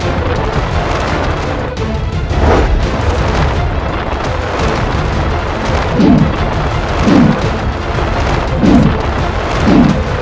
aku pasti akan mengeseru